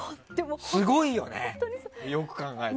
すごいよね、よく考えたら。